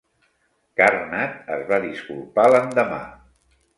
Karnad es va disculpar l'endemà.